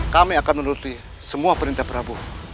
kami akan menuntuti semua perintah prabu